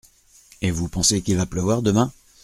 Et vous pensez qu’il va pleuvoir demain ?